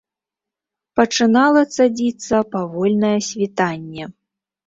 Пачынала цадзіцца павольнае світанне.